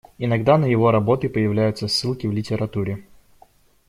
Иногда на его работы появляются ссылки в литературе.